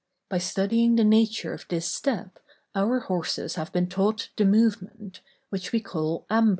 By studying the nature of this step our horses have been taught the movement, which we call ambling.